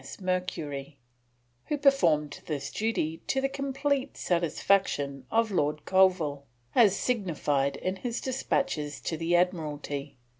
M.S. Mercury, who performed this duty to the complete satisfaction of Lord Colville as signified in his despatches to the Admiralty.